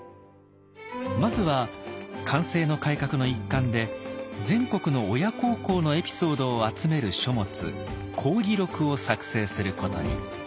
まずは寛政の改革の一環で全国の親孝行のエピソードを集める書物「孝義録」を作成することに。